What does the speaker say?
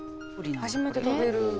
初めて食べる。